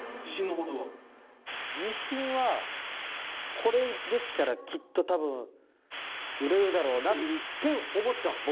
自信はこれできたらきっとたぶん売れるだろうなって思ってます